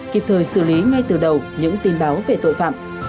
kịp thời xử lý ngay từ đầu những tin báo về tội phạm